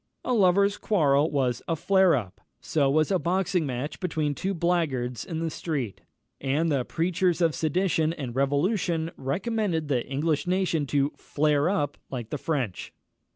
A lovers' quarrel was a flare up; so was a boxing match between two blackguards in the streets; and the preachers of sedition and revolution recommended the English nation to flare up, like the French.